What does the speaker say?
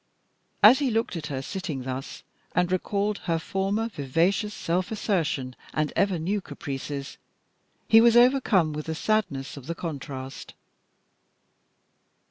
As he looked at her sitting thus, and recalled her former vivacious self assertion and ever new caprices, he was overcome with the sadness of the contrast.